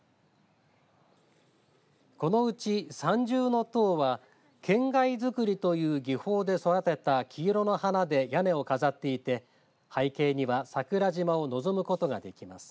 このうち、三重の塔は懸崖作りという技法で育てた黄色の花で屋根を飾っていて背景には桜島を望むことができます。